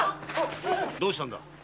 どうしたんだ？